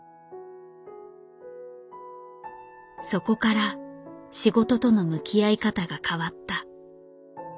そこから仕事との向き合い方が変わった。